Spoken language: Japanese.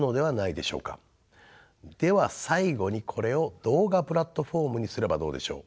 では最後にこれを動画プラットフォームにすればどうでしょう？